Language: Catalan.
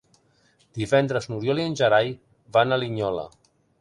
Divendres n'Oriol i en Gerai van a Linyola.